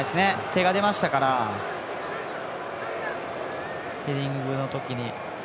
手が出ましたからヘディングのときに。